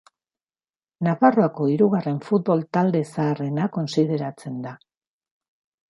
Nafarroako hirugarren futbol talde zaharrena kontsideratzen da.